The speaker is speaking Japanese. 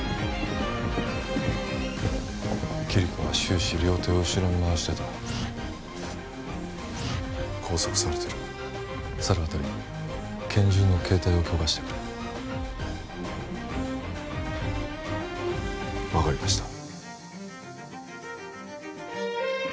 キリコは終始両手を後ろに回してた拘束されてる猿渡拳銃の携帯を許可してくれ分かりました